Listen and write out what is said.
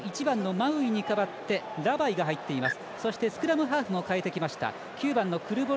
マウイに代わってラバイが入っています。